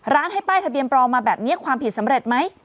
ให้ป้ายทะเบียนปลอมมาแบบนี้ความผิดสำเร็จไหม